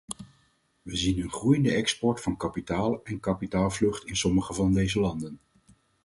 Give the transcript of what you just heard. We zien een groeiende export van kapitaal en kapitaalvlucht in sommige van deze landen.